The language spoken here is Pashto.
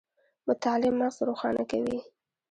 مطالعه مغز روښانه کوي